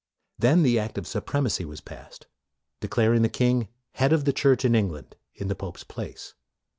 Then the Act of Supremacy was passed, declaring the king head of the Church in England, in the pope's place.